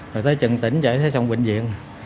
rồi tới trận tỉnh chảy thấy xong bệnh viện